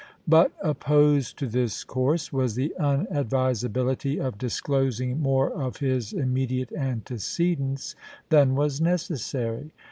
But opposed to this course was the unadvisability of disclosing more of his immediate antecedents than was necessary.